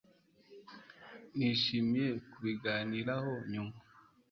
Nishimiye kubiganiraho nyuma